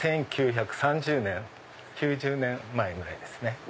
１９３０年９０年前ぐらいですね。